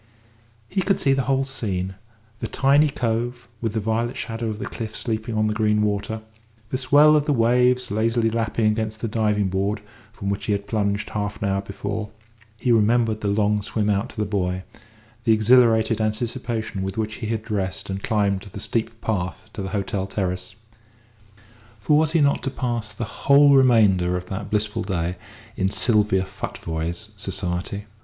He could see the whole scene: the tiny cove, with the violet shadow of the cliff sleeping on the green water; the swell of the waves lazily lapping against the diving board from which he had plunged half an hour before; he remembered the long swim out to the buoy; the exhilarated anticipation with which he had dressed and climbed the steep path to the hotel terrace. For was he not to pass the whole remainder of that blissful day in Sylvia Futvoye's society?